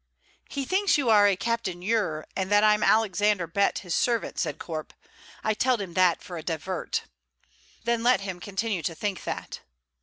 "He thinks you are a Captain Ure, and that I'm Alexander Bett, his servant," said Corp. "I telled him that for a divert." "Then let him continue to think that."